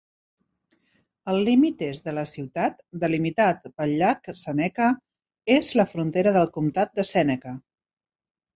El límit est de la ciutat, delimitat pel llac Seneca, és la frontera del comtat de Sèneca.